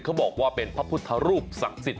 เขาบอกว่าเป็นพระพุทธรูปศักดิ์สิทธิ